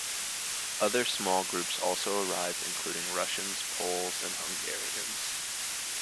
Other, smaller groups also arrived, including Russians, Poles and Hungarians.